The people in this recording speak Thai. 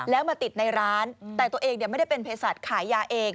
แล้วมาติดในร้านแต่ตัวเองไม่ได้เป็นเพศัตว์ขายยาเอง